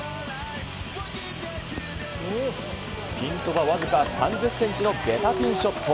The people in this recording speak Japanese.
ピンそば僅か３０センチのベタピンショット。